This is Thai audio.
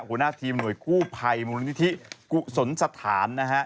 หัวหน้าทีมหน่วยกู้ภัยมูลนิธิกุศลสถานนะฮะ